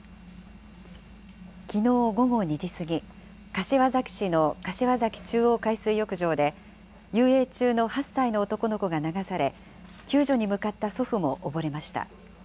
きのう午後２時過ぎ、柏崎市の柏崎中央海水浴場で、遊泳中の８歳の男の子が流され、救助に向かった祖父も溺れました。